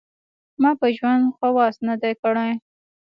ما په ژوند خواست نه دی کړی .